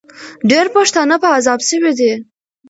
ډېر پښتانه په عذاب سوي دي.